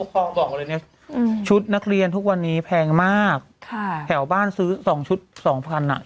พอบอกเลยเนี้ยอืมชุดนักเรียนทุกวันนี้แพงมากค่ะแถวบ้านซื้อสองชุดสองพันอ่ะ